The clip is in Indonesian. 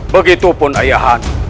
begitu pun ayahanda